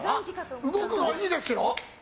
動くのはいいですよ。